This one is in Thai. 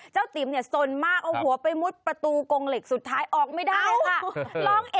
ติ๋มเนี่ยสนมากเอาหัวไปมุดประตูกงเหล็กสุดท้ายออกไม่ได้ค่ะ